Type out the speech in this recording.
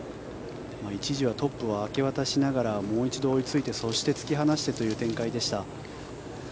一時はトップを明け渡しながらもう一度追いついてそして突き放してという展開でした。